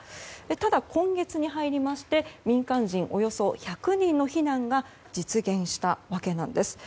ただ今月に入りまして民間人およそ１００人の避難が実現したわけなんです。